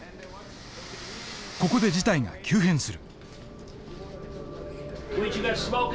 ここで事態が急変する。